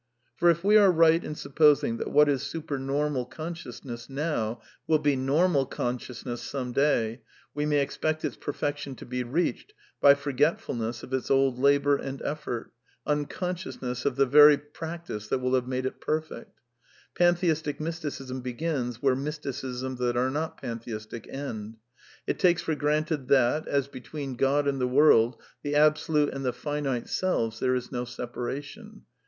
For if we are right in supposing that what is super normal consciousness now will be normal consciousn some day, we may expect its perfection to be reached by forgetfulness of its old labour and effort, unconscious ness of the very practice that will have made it perfect Pantheistic Mysticism begins where Mysticisms that are not pantheistic end. It takes for granted that, as between God and the world, the Absolute and the finite selves, there is no separation.